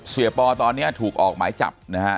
ปอตอนนี้ถูกออกหมายจับนะฮะ